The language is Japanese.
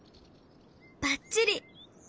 ばっちり！